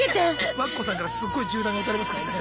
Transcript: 和歌子さんからすっごい銃弾が撃たれますからね。